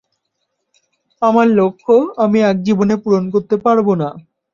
আমার লক্ষ্য আমি এক জীবনে পূরণ করতে পারব না!